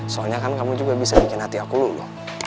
soalnya kan kamu juga bisa bikin hati aku dulu